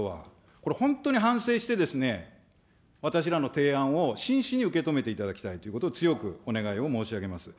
これ本当に反省して、私らの提案を真摯に受け止めていただきたいということを強くお願いを申し上げます。